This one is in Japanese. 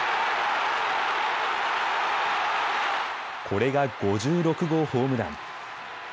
これが５６号ホームラン。